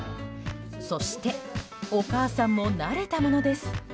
そして、お母さんも慣れたものです。